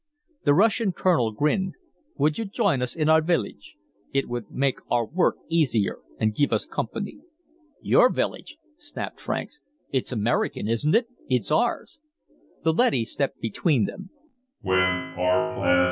The Russian colonel grinned. "Would you join us in our village? It would make our work easier and give us company." "Your village?" snapped Franks. "It's American, isn't it? It's ours!" The leady stepped between them.